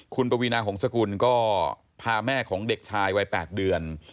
คุณปวีนาหงษกุลก็พาแม่ของเด็กชายวัย๘เดือน